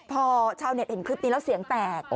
พอชาวเน็ตเห็นคลิปนี้แล้วเสียงแตก